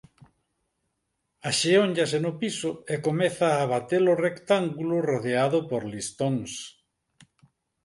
Axeónllase no piso e comeza a bate-lo rectángulo rodeado por listóns.